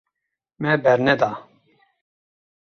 Me berneda.